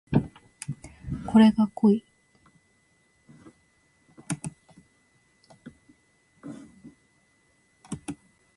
これが濃い